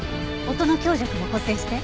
音の強弱も補正して。